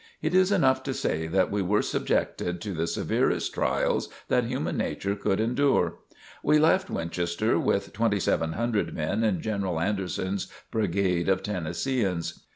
It is enough to say that we were subjected to the severest trials that human nature could endure. We left Winchester with 2,700 men in General Anderson's Brigade of Tennesseeans.